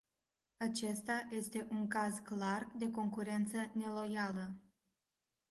Acesta este un caz clar de concurență neloială.